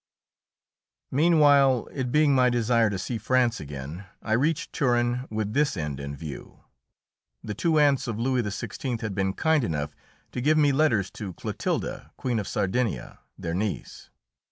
Meanwhile, it being my desire to see France again, I reached Turin with this end in view. The two aunts of Louis XVI. had been kind enough to give me letters to Clotilda, Queen of Sardinia, their niece.